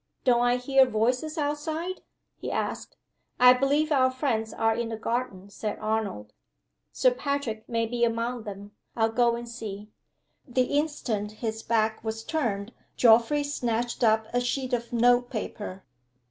"Don't I hear voices outside?" he asked. "I believe our friends are in the garden," said Arnold. "Sir Patrick may be among them. I'll go and see." The instant his back was turned Geoffrey snatched up a sheet of note paper.